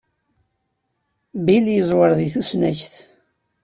Bill yeẓwer di tusnakt.